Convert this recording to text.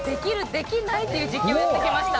できない？という実験をやってきました。